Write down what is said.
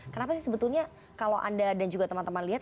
kenapa sih sebetulnya kalau anda dan juga teman teman lihat